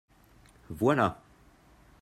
Voilà